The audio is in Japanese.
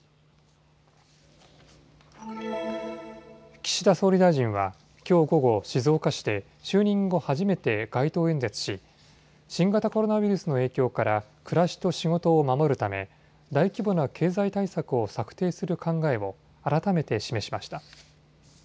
岸田総理大臣はきょう午後、静岡市で就任後初めて街頭演説し、新型コロナウイルスの影響から暮らしと仕事を守るため大規模な経済対策を策定する考えを改めて示しました。